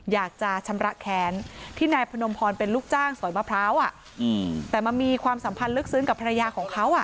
อยากจะชำระแค้นที่นายพนมพรเป็นลูกจ้างสอยมะพร้าวแต่มันมีความสัมพันธ์ลึกซึ้งกับภรรยาของเขา